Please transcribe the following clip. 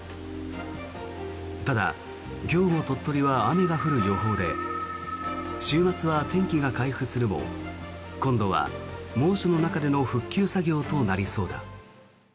ただ、今日も鳥取は雨が降る予報で週末は天気が回復するも今度は猛暑の中での復旧作業となりそうだ。